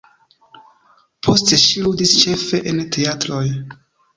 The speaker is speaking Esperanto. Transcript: Poste ŝi ludis ĉefe en teatroj.